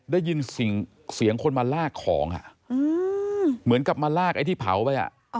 ได้ยินเสียงคนมาลากของเหมือนกับมาลากไอ้ที่เผาไป